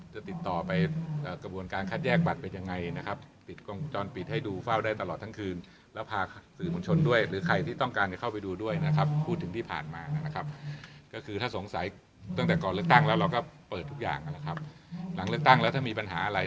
จะติดต่อไปกระบวนการคัดแยกบัตรเป็นยังไงนะครับติดกล้องจอดปิดให้ดูเฝ้าได้ตลอดทั้งคืนแล้วพาสื่อสมชนด้วยหรือใครที่ต้องการจะเข้าไปดูด้วยนะครับ